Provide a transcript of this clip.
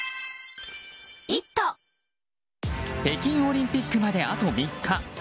北京オリンピックまであと３日。